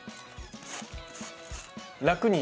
楽に。